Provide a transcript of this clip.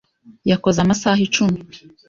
Yakoze amasaha icumi.